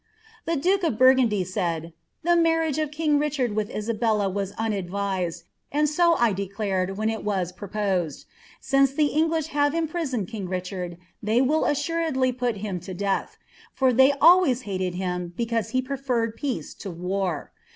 The duke of Burgundy said, "The marringe of king Richard wilh lenbelU was unadvised, and so I declared when it was proposed. Sines the Eiiglisli have imprisoned king Richard, tliey will assuredly pul him to dmth ; for lliey always haled him because he preferred peace to war.